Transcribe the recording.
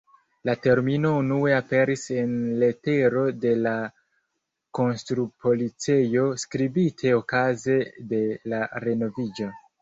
La termino unue aperis en letero de la konstrupolicejo skribite okaze de la renoviĝo.